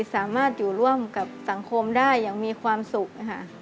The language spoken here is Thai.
สามารถอยู่ร่วมกับสังคมได้อย่างมีความสุขค่ะ